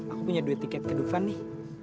aku punya duit tiket ke depan nih